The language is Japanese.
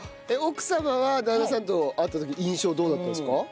えっ奥様は旦那さんと会った時印象どうだったんですか？